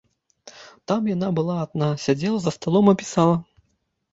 Там яна была адна, сядзела за сталом і пісала.